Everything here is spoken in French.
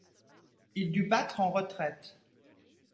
Il dut battre en retraite.